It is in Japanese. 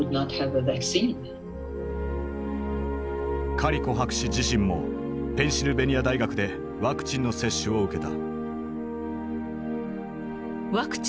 カリコ博士自身もペンシルベニア大学でワクチンの接種を受けた。